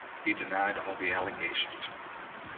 He denied all the allegations.